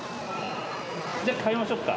じゃあ、帰りましょうか。